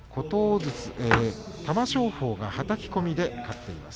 玉正鳳がはたき込みで勝っています。